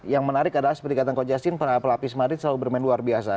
yang menarik adalah seperti kata coach justin pelapis marid selalu bermain luar biasa